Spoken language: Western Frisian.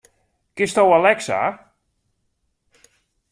Kinsto Alexa?